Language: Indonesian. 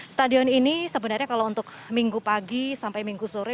stadion ini sebenarnya kalau untuk minggu pagi sampai minggu sore